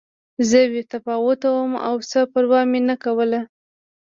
زه بې تفاوته وم او څه پروا مې نه کوله